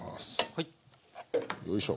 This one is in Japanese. はい。よいしょ。